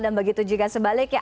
dan begitu juga sebaliknya